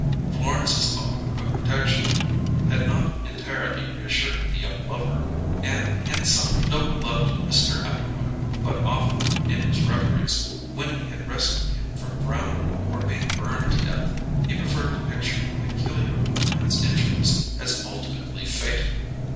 Florence's offer of protection had not entirely reassured the young lover, and, in sum, Noble loved Mr. Atwater, but often, in his reveries, when he had rescued him from drowning or being burned to death, he preferred to picture the peculiar old man's injuries as ultimately fatal.